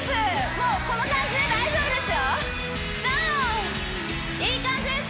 もうこの感じで大丈夫ですよいい感じです